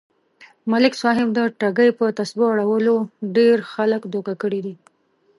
ملک صاحب د ټگۍ يه تسبو اړولو ډېر خلک دوکه کړي دي.